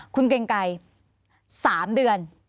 คุณเกรงไกร๓เดือน